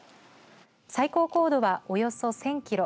最高高度は、およそ１０００キロ